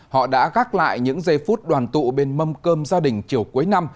họ đã gác lại những giây phút đoàn tụ bên mâm cơm gia đình chiều cuối năm